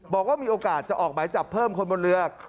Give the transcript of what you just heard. บอกว่ามีโอกาสจะออกหมายจับเพิ่มคนบนเรือ